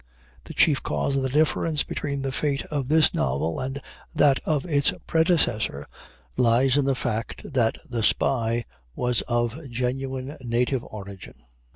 The chief cause of the difference between the fate of this novel and that of its predecessor lies in the fact that The Spy was of genuine native origin.